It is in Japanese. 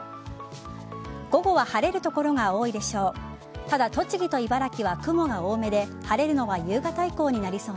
午後は晴れる所が多いでしょう。